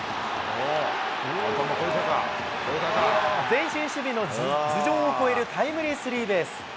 前進守備の頭上を越えるタイムリースリーベース。